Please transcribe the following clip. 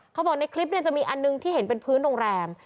เขาบอกในคลิปจะมีอันหนึ่งที่เห็นเป็นพื้นโรงแรม